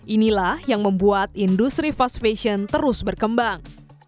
inilah yang membuat industri fast fashion terus berkembang